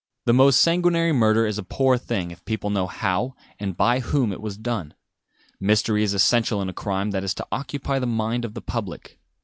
The most sanguinary murder is a poor thing if people know how and by whom it was done. Mystery is essential in a crime that is to occupy the mind of the public.